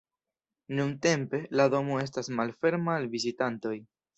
Nuntempe, la domo estas malferma al vizitantoj.